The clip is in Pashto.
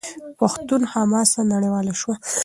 پښتون حماسه نړیواله شوه.